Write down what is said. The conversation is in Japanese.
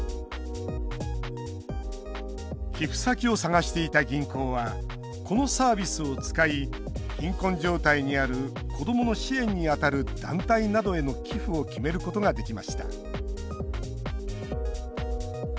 寄付先を探していた銀行はこのサービスを使い貧困状態にある子どもの支援に当たる団体などへの寄付を決めることができました。